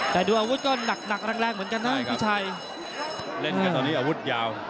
เล่นกันตอนนี้อาวุธยาว